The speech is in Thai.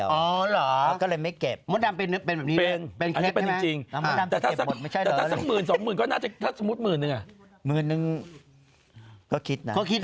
ไว้มันจะได้มากกว่านี้